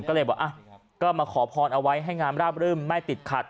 ก็เลยบอกก็มาขอพรเอาไว้ให้งามราบรื่มไม่ติดขัด